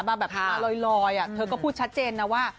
แบบมาลอยเธอก็พูดชัดเจนนะว่า